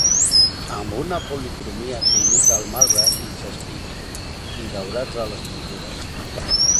Amb una policromia que imita el marbre i jaspi i daurats a les motllures.